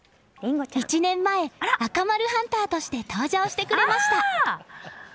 １年前、赤丸ハンターとして登場してくれました。